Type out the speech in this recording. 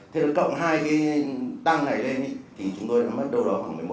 thế là cộng hai cái tăng này lên thì chúng tôi mất đâu đó khoảng năm triệu